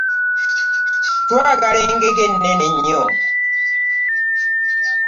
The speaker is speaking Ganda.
Twagula engege ennene ennyo.